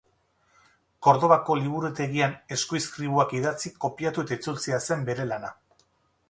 Kordobako liburutegian eskuizkribuak idatzi, kopiatu eta itzultzea zen bere lana.